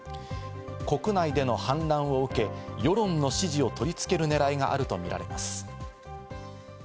国内での反乱を受け、世論の支持を取り付ける狙いがあると見られます。